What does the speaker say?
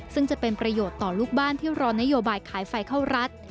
ซึ่งจะเป็นประโยชน์ต่อลูกบ้านที่รอนโยบายขายไฟเข้ารัฐ